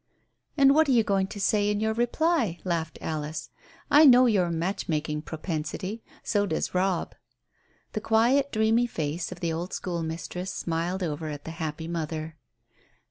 "And what are you going to say in your reply?" laughed Alice. "I know your matchmaking propensity. So does Robb." The quiet, dreamy face of the old school mistress smiled over at the happy mother.